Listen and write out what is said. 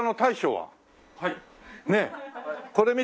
はい。